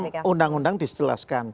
di dalam undang undang diselaskan